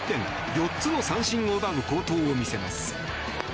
４つの三振を奪う好投を見せます。